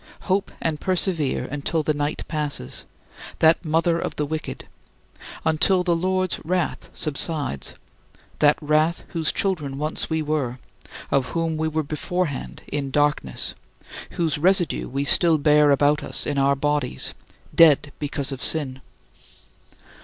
Hope and persevere until the night passes that mother of the wicked; until the Lord's wrath subsides that wrath whose children once we were, of whom we were beforehand in darkness, whose residue we still bear about us in our bodies, dead because of sin.